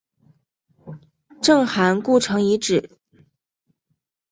郑韩故城遗址是春秋战国时期郑国及韩国都城的遗址。